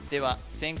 先攻